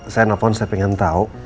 saya nelfon saya pengen tahu